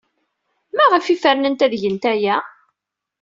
Maɣef ay fernent ad gent aya?